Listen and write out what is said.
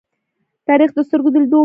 تاریخ د سترگو د لیدو وړ دی.